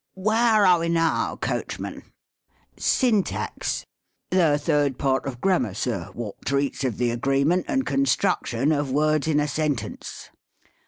" Where are we now, coachman ?" SYNTAX. " The third part of Grammar, Sir, wot treats of the agreement and construction of words in a sentence."